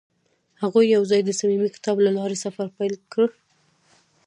هغوی یوځای د صمیمي کتاب له لارې سفر پیل کړ.